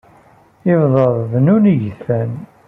Igḍaḍ bennun igedfen.